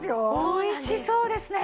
美味しそうですね。